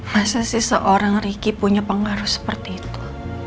masa sih seorang riki punya pengaruh seperti itu